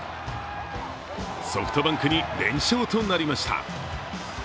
ソフトバンクに連勝となりました。